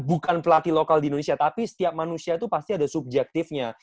bukan pelatih lokal di indonesia tapi setiap manusia itu pasti ada subjektifnya